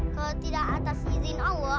kalau tidak atas izin allah